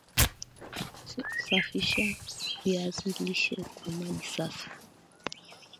Safisha viazi lishe kwa maji masafi